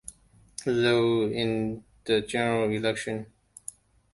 Lowe, in the general election.